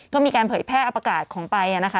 ก็มีการเผยแพร่อประกาศของไปนะคะ